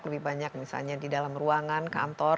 lebih banyak misalnya di dalam ruangan kantor